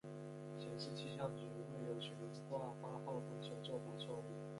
显示气象局未有悬挂八号风球做法错误。